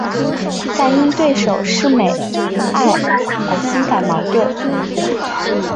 但因对手是美爱而心感矛盾。